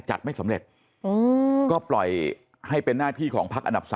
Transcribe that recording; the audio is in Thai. ไม่สำเร็จก็ปล่อยให้เป็นหน้าที่ของพักอันดับ๓